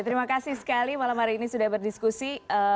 terima kasih sekali malam hari ini sudah berdiskusi